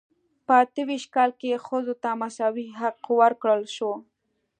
په اته ویشت کال کې ښځو ته مساوي حق ورکړل شو.